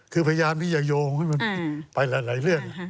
คือพยายามที่จะโยงให้มันไปหลายเรื่อง